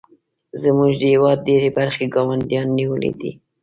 زموږ د هیواد ډیرې برخې ګاونډیانو نیولې دي